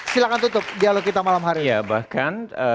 silahkan tutup dialog kita malam hari ya bahkan